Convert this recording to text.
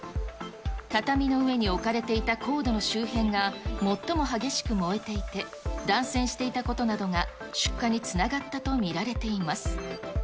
畳の上に置かれていたコードの周辺が、最も激しく燃えていて、断線していたことなどが、出火につながったと見られています。